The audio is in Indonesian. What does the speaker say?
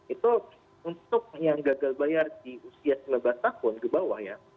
itu untuk yang gagal bayar di usia sembilan belas tahun ke bawah ya